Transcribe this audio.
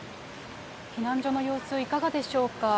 避難所の様子、いかがでしょうか。